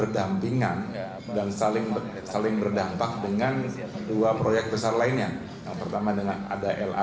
dan ada nanti kereta cepat cina di sebelah selatangnya